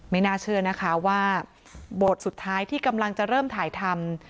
ไม่น่าเชื่อนะคะว่าโบสถ์สุดท้ายที่กำลังจะเริ่มถ่ายทำ